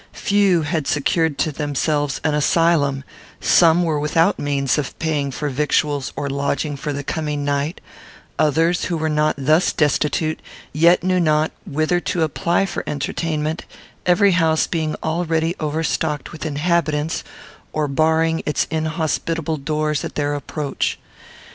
Few had secured to themselves an asylum; some were without the means of paying for victuals or lodging for the coming night; others, who were not thus destitute, yet knew not whither to apply for entertainment, every house being already overstocked with inhabitants, or barring its inhospitable doors at their approach.